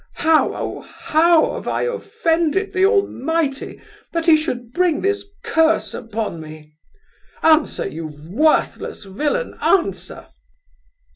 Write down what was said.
How, oh how, have I offended the Almighty, that He should bring this curse upon me! Answer, you worthless villain, answer!"